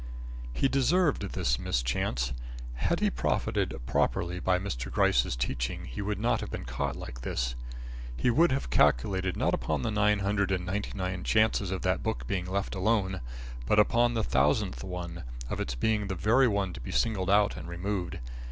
He deserved this mischance. Had he profited properly by Mr. Gryce's teachings, he would not have been caught like this; he would have calculated not upon the nine hundred and ninety nine chances of that book being left alone, but upon the thousandth one of its being the very one to be singled out and removed.